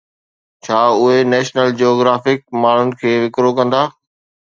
ڇا اهي national geographic ماڻهن کي وڪرو ڪندا؟